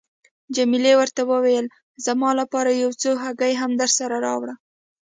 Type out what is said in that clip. جميله ورته وویل: زما لپاره یو څو هګۍ هم درسره راوړه.